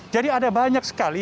jadi ada banyak sekali